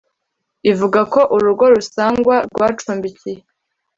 ivugako urugo rusangwa rwacumbikiye